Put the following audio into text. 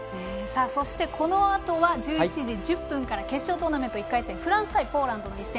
そしてこのあとは１１時１０分から決勝トーナメント１回戦フランス対ポーランドの一戦。